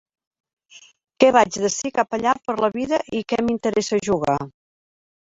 Que vaig d'ací cap allà per la vida i que m'interessa jugar.